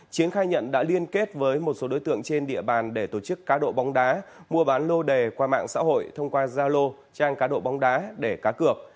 chiến khai nhận đã liên kết với một số đối tượng trên địa bàn để tổ chức cá độ bóng đá mua bán lô đề qua mạng xã hội thông qua zalo trang cá độ bóng đá để cá cược